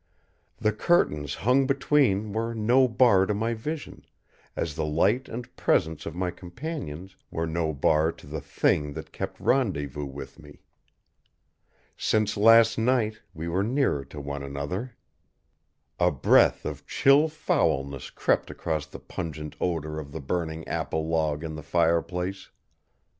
The curtains hung between were no bar to my vision, as the light and presence of my companions were no bar to the Thing that kept rendezvous with me. Since last night, we were nearer to one another. A breath of chill foulness crept across the pungent odor of the burning apple log in the fireplace.